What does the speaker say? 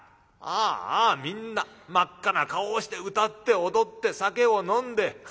ああみんな真っ赤な顔をして歌って踊って酒を飲んで」。